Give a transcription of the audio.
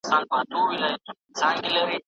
حق ته پاملرنه زموږ دنده ده.